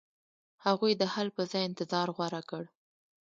هغوی د حل په ځای انتظار غوره کړ.